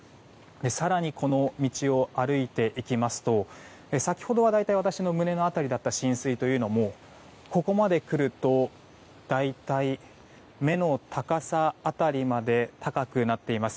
更に、この道を歩いていきますと先ほどは大体私の胸の辺りだった浸水もここまでくると大体、目の高さ辺りまで高くなっています。